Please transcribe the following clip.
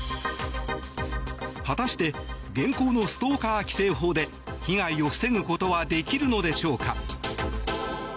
果たして現行のストーカー規制法で被害を防ぐことはできるのでしょうか。